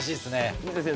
藤田先生